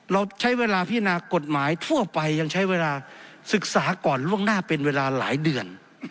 เราใช้เวลาพิจารณากฎหมายทั่วไปยังใช้เวลาศึกษาก่อนล่วงหน้าเป็นเวลาหลายเดือน